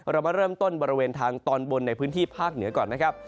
เรามาเริ่มต้นบริเวณทางตอนบนในพื้นที่ภาคเหนือก่อนนะครับ